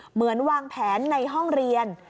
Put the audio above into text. เหมือนวางแผนในห้องเรียน